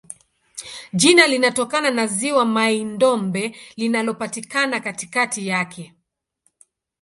Jina linatokana na ziwa Mai-Ndombe linalopatikana katikati yake.